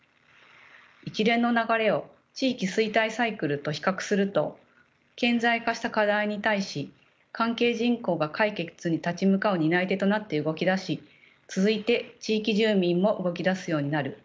一連の流れを地域衰退サイクルと比較すると顕在化した課題に対し関係人口が解決に立ち向かう担い手となって動き出し続いて地域住民も動き出すようになる。